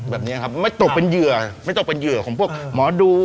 แบบนี้ครับไม่ตกเป็นเหยื่อไม่ต้องเป็นเหยื่อของพวกหมอดู